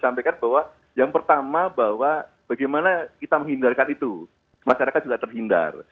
sebetulnya yang yang pertama bahwa bagaimana kita menghindarkan itu masyarakat terhindar